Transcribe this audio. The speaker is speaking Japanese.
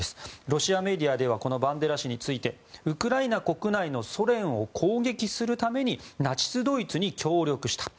ロシアメディアではこのバンデラ氏についてウクライナ国内のソ連を攻撃するためにナチスドイツに協力した。